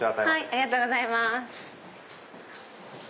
ありがとうございます。